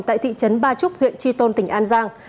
tại thị trấn ba trúc huyện tri tôn tỉnh an giang